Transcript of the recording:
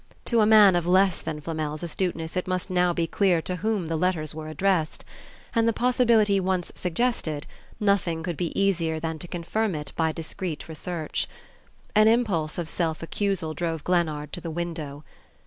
To a man of less than Flamel's astuteness it must now be clear to whom the letters were addressed; and the possibility once suggested, nothing could be easier than to confirm it by discreet research. An impulse of self accusal drove Glennard to the window.